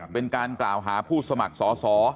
เป็นการกล่าวหาผู้สมัครสอสอ